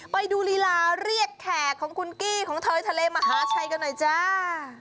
ไปดูลีลาเรียกแขกของคุณกี้ของเธอทะเลมหาชัยกันหน่อยจ้า